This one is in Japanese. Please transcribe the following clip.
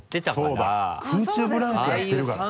そうだ空中ブランコやってるからさ。